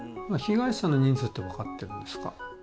被害者の人数って分かってるんですか？